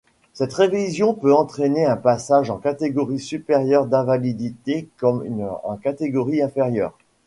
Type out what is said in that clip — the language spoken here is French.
Cette révision peut entraîner un passage en catégorie supérieure d'invalidité comme en catégorie inférieure.